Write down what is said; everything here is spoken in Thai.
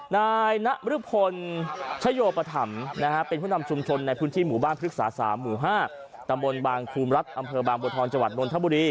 นายนรพลชโยปธรรมเป็นผู้นำชุมชนในพื้นที่หมู่บ้านพฤกษา๓หมู่๕ตำบลบางภูมิรัฐอำเภอบางบัวทองจังหวัดนทบุรี